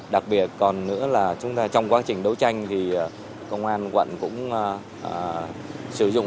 đặc biệt còn nữa là trong quá trình đấu tranh thì công an quận cũng sử dụng